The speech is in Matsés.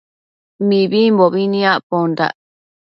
Mibimbobi nicpondac